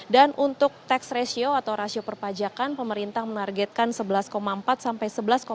dan untuk tax ratio atau rasio perpajakan pemerintah menargetkan sebelas empat sampai sebelas sembilan